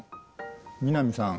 南さん